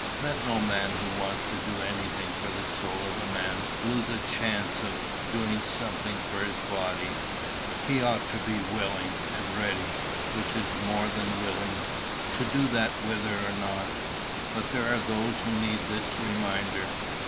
Let no man who wants to do anything for the soul of a man lose a chance of doing something for his body. He ought to be willing, and ready, which is more than willing, to do that whether or not; but there are those who need this reminder.